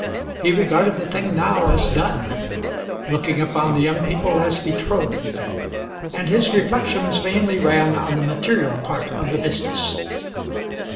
He regarded the thing now as done, looking upon the young people as betrothed, and his reflections mainly ran on the material part of the business.